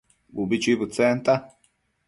ubi chuibëdtsenta